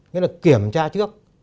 nghĩa là kiểm tra trước